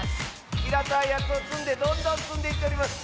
ひらたいやつをつんでどんどんつんでいっております。